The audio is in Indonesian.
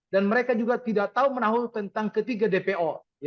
dan mereka juga tidak tahu menahu tentang ketiga dpo